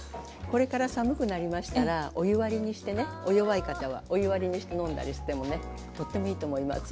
これから寒くなりましたらお湯割りにしてねお弱い方はお湯割りにして飲んだりしてもねとってもいいと思います。